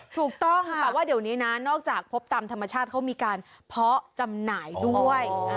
ถูกต้องแต่ว่าเดี๋ยวนี้นะนอกจากพบตามธรรมชาติเขามีการเพาะจำหน่ายด้วย